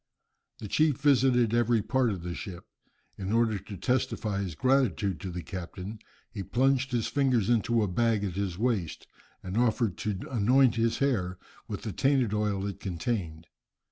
The chief visited every part of the ship. In order to testify his gratitude to the captain he plunged his fingers into a bag at his waist, and offered to anoint his hair with the tainted oil it contained.